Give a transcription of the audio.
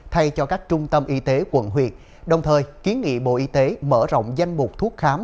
thay cho các trung tâm y tế quận huyện đồng thời kiến nghị bộ y tế mở rộng danh mục thuốc khám